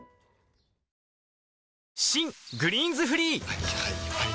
はいはいはいはい。